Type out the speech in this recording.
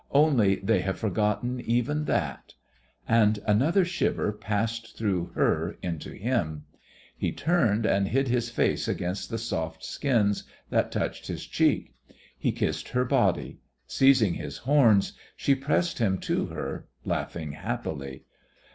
"Only they have forgotten even that!" And another shiver passed through her into him. He turned and hid his face against the soft skins that touched his cheek. He kissed her body. Seizing his horns, she pressed him to her, laughing happily.